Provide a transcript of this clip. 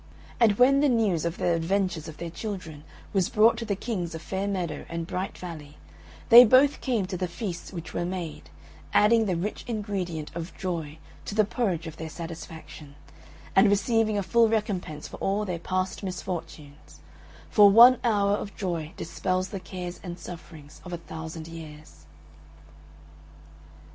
And when the news of the adventures of their children was brought to the Kings of Fair Meadow and Bright Valley, they both came to the feasts which were made, adding the rich ingredient of joy to the porridge of their satisfaction, and receiving a full recompense for all their past misfortunes; for "One hour of joy dispels the cares And sufferings of a thousand years."